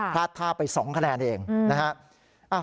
พลาดท่าไป๒คะแนนเองนะฮะ